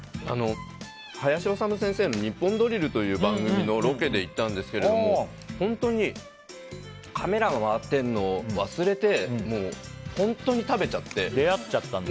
林修先生の「ニッポンドリル」という番組のロケで行ったんですが本当にカメラが回っているのを忘れて本当に食べちゃって。